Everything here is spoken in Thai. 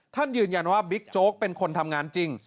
ยืนยันว่าบิ๊กโจ๊กเป็นคนทำงานจริง